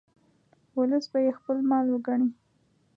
ولس به یې خپل مال وګڼي.